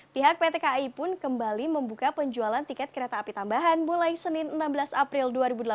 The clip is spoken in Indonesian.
pihak pt kai pun kembali membuka penjualan tiket kereta api tambahan mulai senin enam belas april dua ribu delapan belas